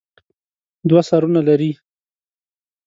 دوه سرونه لري.